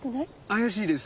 妖しいです。